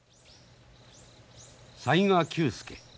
雑賀久助。